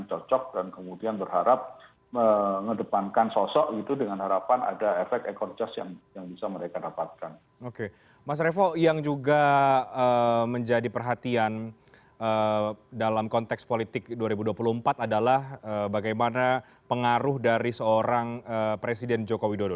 oke mas revo yang juga menjadi perhatian dalam konteks politik dua ribu dua puluh empat adalah bagaimana pengaruh dari seorang presiden jokowi dodo